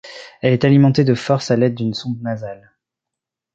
Elle est alimentée de force à l'aide d'une sonde nasale.